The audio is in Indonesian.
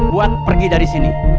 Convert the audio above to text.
buat pergi dari sini